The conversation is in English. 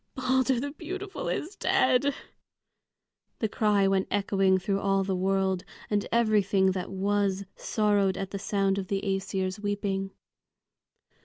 "Balder the beautiful is dead!" the cry went echoing through all the world, and everything that was sorrowed at the sound of the Æsir's weeping.